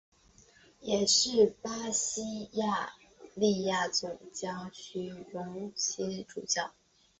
也是巴西利亚总教区荣休总主教。